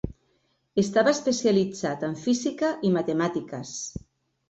Estava especialitzat en física i matemàtiques.